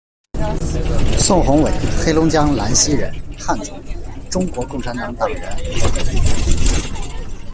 宋宏伟，黑龙江兰西人，汉族，中国共产党党员。